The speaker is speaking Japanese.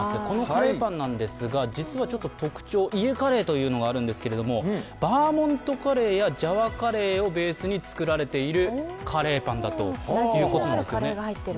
このカレーパンなんですが、実は特徴、家カレーというのがあるんですけれども、バーモントカレーやジャワカレーをベースに作られているカレーパンだということなんですよね。